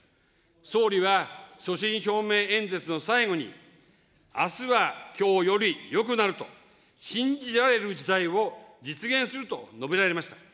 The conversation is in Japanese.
総理は、所信表明演説の最後に、あすはきょうよりよくなると、信じられる時代を実現すると述べられました。